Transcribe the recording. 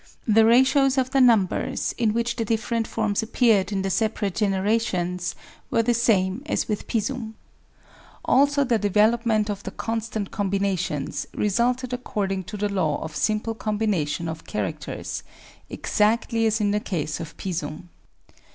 The ratios of the numbers in which the different forms appeared in the separate generations were the same as with Pisum. Also the development of the constant com binations resulted according to the law of simple combination of characters, exactly as in the case of Pisum.